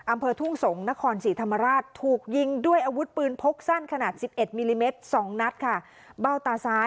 อำเภอทุ่งสงิ์นครสีธรรมราชถูกยิงด้วยอาวุธปืนพกสั้นขนาดสิบเอ็ด